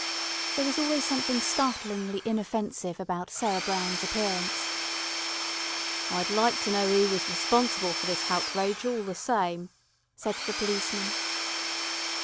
There was always something startlingly inoffensive about Sarah Brown's appearance. "I'd like to know 'oo was responsible for this houtrage, all the same," said the policeman.